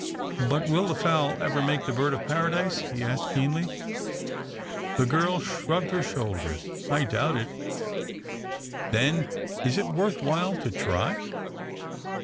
" But will the fowl ever make the bird of para dise? " he asked keenly. The girl shrugged her shoulders. " I doubt it." "Then is it worth while to try?"